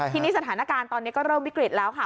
ทีนี้สถานการณ์ตอนนี้ก็เริ่มวิกฤตแล้วค่ะ